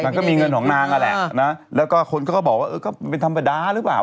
มันก็มีเงินของนางนั่นแหละนะแล้วก็คนเขาก็บอกว่าเออก็เป็นธรรมดาหรือเปล่า